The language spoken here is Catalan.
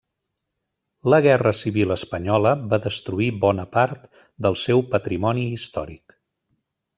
La guerra civil espanyola va destruir bona part del seu patrimoni històric.